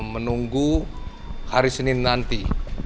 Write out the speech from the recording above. menunggu hari senin nanti